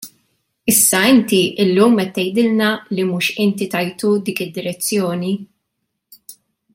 Issa inti llum qed tgħidilna li mhux inti tajtu dik id-direzzjoni?